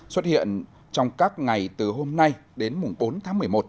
xuất hiện trong các ngày từ hôm nay đến bốn tháng một mươi một